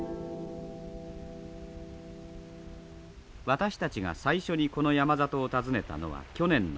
私たちが最初にこの山里を訪ねたのは去年の４月。